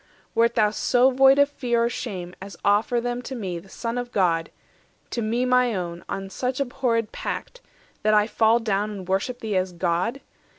Wert thou so void of fear or shame As offer them to me, the Son of God— 190 To me my own, on such abhorred pact, That I fall down and worship thee as God?